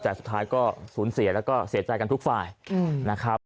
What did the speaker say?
แต่สุดท้ายก็สูญเสียแล้วก็เสียใจกันทุกฝ่ายนะครับ